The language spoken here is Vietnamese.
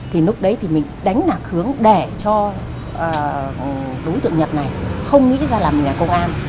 thì lúc đấy thì mình đánh nạc hướng để cho đối tượng nhật này không nghĩ ra là mình là công an